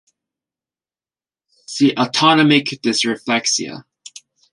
See Autonomic dysreflexia.